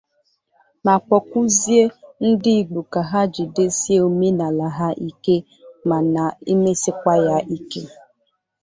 ma kpọkuzie ndị Igbo ka ha jigidesie omenala ha ike ma na-emesikwa ya ike